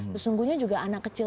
sesungguhnya juga anak kecil